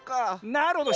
なるほど。